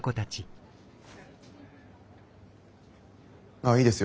ああいいですよ。